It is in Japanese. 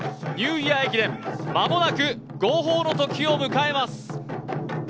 ニューイヤー駅伝、間もなく号砲の時を迎えます。